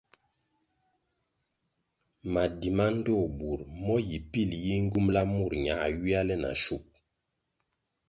Madi ma ndtoh bur mo yi pil yi ngyumbʼla murʼ ñā ywia le na shub.